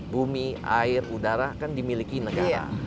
bumi air udara kan dimiliki negara